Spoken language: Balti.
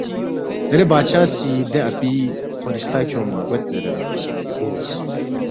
دیرے بادشاہ سی دے اپی، خورِستہ کھیونگما گوید زیرے نہ گورس